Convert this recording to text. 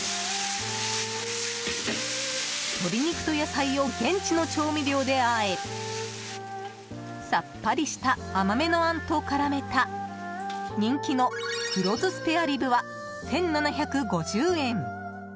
鶏肉と野菜を現地の調味料であえサッパリした甘めのあんと絡めた人気の黒酢スペアリブは１７５０円。